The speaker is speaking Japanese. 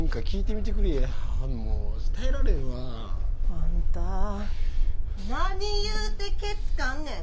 あんた何言うてけつかんねん！